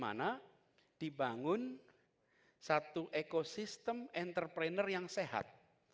karena dibangun satu ekosistem entrepreneur yang sehat